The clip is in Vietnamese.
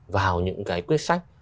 vào những cái quyết sách